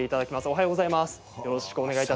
おはようございます。